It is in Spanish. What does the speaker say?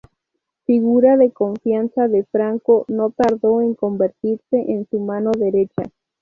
Figura de confianza de Franco, no tardó en convertirse en su mano derecha.